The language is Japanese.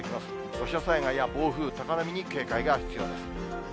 土砂災害や暴風、高波に警戒が必要です。